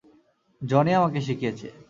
Johnny আমাকে শিখিয়েছে।